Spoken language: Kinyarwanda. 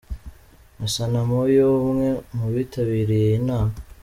Nkosana Moyo, umwe mubitabiriye iyi nama.